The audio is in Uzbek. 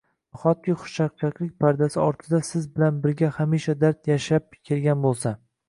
Nahotki xushchaqchaqlik pardasi ortida Siz bilan birga hamisha dard yashab kelgan boʻlsa